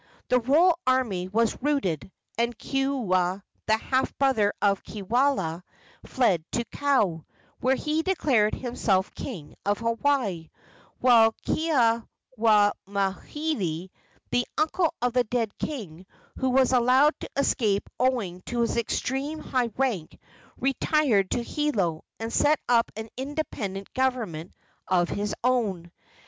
The royal army was routed, and Keoua, the half brother of Kiwalao, fled to Kau, where he declared himself king of Hawaii, while Keawemauhili, the uncle of the dead king, who was allowed to escape owing to his extremely high rank, retired to Hilo and set up an independent government of his own.